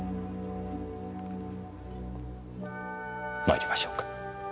まいりましょうか。